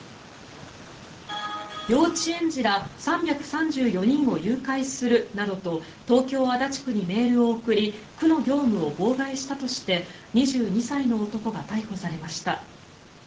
幼稚園児ら３３４人を誘拐するなどと東京・足立区にメールを送り区の業務を妨害したとして２２歳の男が逮捕されました。